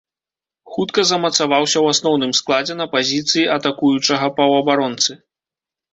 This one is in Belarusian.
Хутка замацаваўся ў асноўным складзе на пазіцыі атакуючага паўабаронцы.